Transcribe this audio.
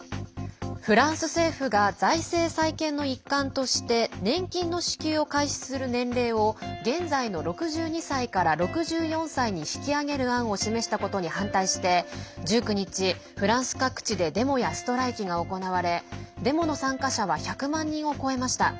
フランス政府が財政再建の一環として年金の支給を開始する年齢を現在の６２歳から６４歳に引き上げる案を示したことに反対して１９日、フランス各地でデモやストライキが行われデモの参加者は１００万人を超えました。